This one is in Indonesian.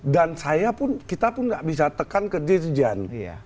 dan saya pun kita pun gak bisa tekan ke dirjen